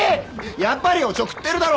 やっぱりおちょくってるだろ！